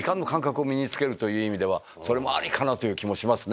身につけるという意味ではそれもありかなという気もしますね。